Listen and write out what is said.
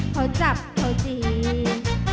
เพราะจับเพราะจีน